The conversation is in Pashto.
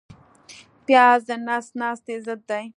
پیاز د نس ناستي ضد دی